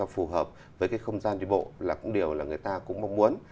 làm sao phù hợp với cái không gian đi bộ là cũng điều là người ta cũng mong muốn